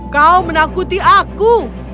kau menakuti aku